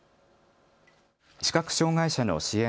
視覚障害者の支援